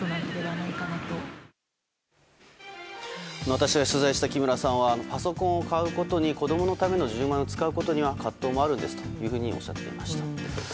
私が取材した木村さんはパソコンを買うことに子供のための１０万円を使うのは葛藤もあるんですというふうにおっしゃっていました。